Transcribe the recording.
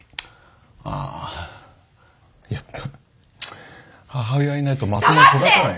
ああやっぱ母親いないとまともに育たない。